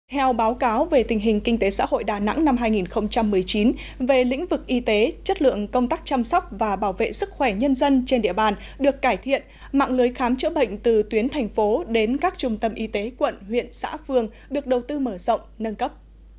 theo báo cáo về tình hình kinh tế xã hội đà nẵng năm hai nghìn một mươi chín về lĩnh vực y tế chất lượng công tác chăm sóc và bảo vệ sức khỏe nhân dân trên địa bàn được cải thiện mạng lưới khám chữa bệnh từ tuyến thành phố đến các trung tâm y tế quận huyện xã phường được đầu tư mở rộng nâng cấp